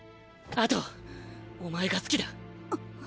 あとお前が好きだ。！！